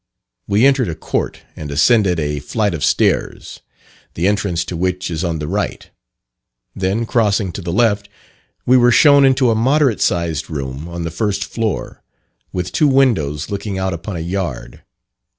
We entered a court and ascended a flight of stairs, the entrance to which is on the right; then crossing to the left, we were shown into a moderate sized room on the first floor, with two windows looking out upon a yard.